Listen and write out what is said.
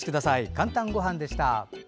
「かんたんごはん」でした。